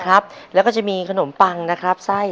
ค่ะแล้วก็น้ำชา